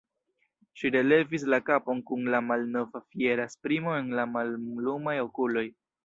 Ŝi relevis la kapon kun la malnova fiera esprimo en la mallumaj okuloj.